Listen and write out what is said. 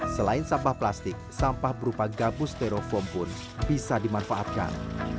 selain sampah plastik sampah berupa gabus stereofoam pun bisa dimanfaatkan